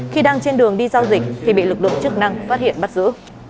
khi đang trên đường đi giao dịch thì bị lực lượng chức năng phát hiện bắt giữ